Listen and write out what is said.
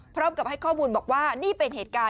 พร้อมกับให้ข้อมูลบอกว่านี่เป็นเหตุการณ์